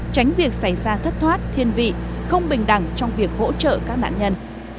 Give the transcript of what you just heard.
tránh việc xảy ra thất thoát thiên vị không bình đẳng trong việc hỗ trợ các nạn nhân